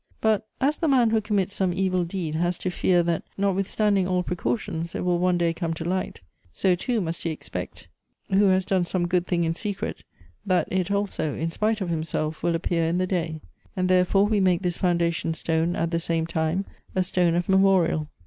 " But as the man who commits some evil deed has to fear, that, notwithstanding all precautions, it will one day come to light — so too must he expect who has done some good thing in secret, that it also, in spite of him self, will appear in the day ; and therefore we make this foundation stone at the same time a stone of memorial.